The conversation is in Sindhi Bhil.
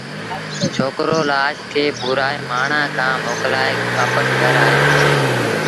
ڇوڪرو لآش کي پورآئي مآڻهآݩ کآݩ موڪلآئي وآپس گھر آيو